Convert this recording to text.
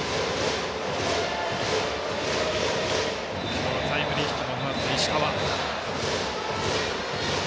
今日はタイムリーヒットも放った石川。